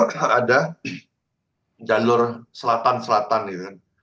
contohnya ada jalur selatan selatan gitu kan